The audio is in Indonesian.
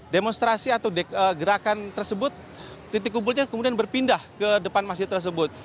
demonstrasi atau gerakan tersebut titik kumpulnya kemudian berpindah ke depan masjid tersebut